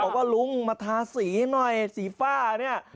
ว่าลุงมาทาสีหน่อยสีฟ้าเนี่ย